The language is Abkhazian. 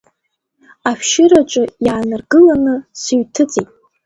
Ашәшьыраҿы иааныргыланы, сыҩҭыҵит.